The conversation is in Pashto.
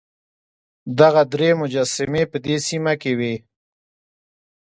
دغه درې مجسمې په دې سیمه کې وې.